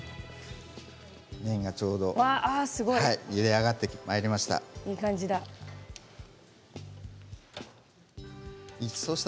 ちょうどゆで上がってまいりました。